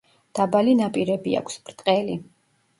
დაბალი ნაპირები აქვს, ბრტყელი.